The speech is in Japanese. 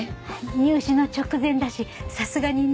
入試の直前だしさすがにね。